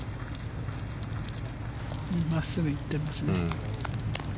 真っすぐ行ってますね。